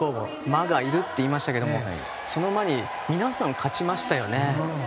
魔がいるって言いましたがその魔に皆さん勝ちましたよね。